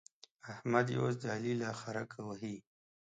احمد يې اوس د علي له خرکه وهي.